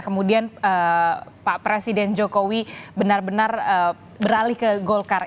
kemudian pak presiden jokowi benar benar beralih ke golkar